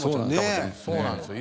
そうなんですよ。